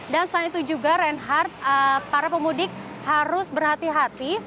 dan selain itu juga reinhardt para pemudik harus berhati hati